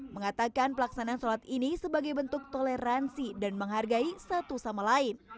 mengatakan pelaksanaan sholat ini sebagai bentuk toleransi dan menghargai satu sama lain